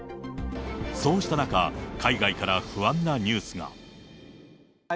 そうした中、海外から不安なニュースが。